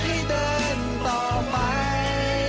ให้เดินต่อไป